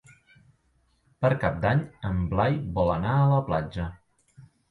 Per Cap d'Any en Blai vol anar a la platja.